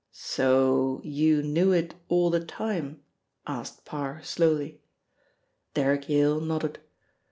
"So you knew it all the time?" asked Parr slowly. Derrick Yak nodded.